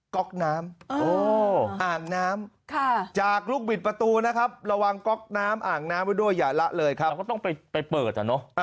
ก๊อกน้ำก๊อกน้ำประตูละครับต้องไปเปิด